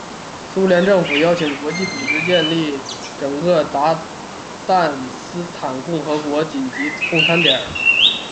苏联政府邀请国际组织建立整个鞑靼斯坦共和国的紧急供餐点。